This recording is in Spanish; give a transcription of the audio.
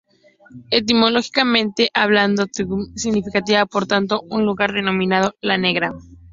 Etimológicamente hablando, "km.t" significaría, por tanto, un lugar denominado "la negra".